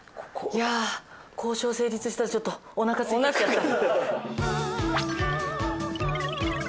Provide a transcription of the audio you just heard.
いやあ交渉成立したらちょっとおなかすいてきちゃった。